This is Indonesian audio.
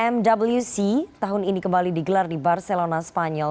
mwc tahun ini kembali digelar di barcelona spanyol